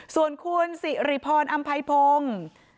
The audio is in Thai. ส่วนคุณสิริพรอำไพพงศ์